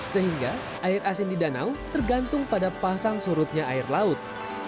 sehingga air asin di danau tergantung pada pasang surutnya air laut